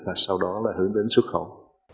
và sau đó là hướng đến xuất khẩu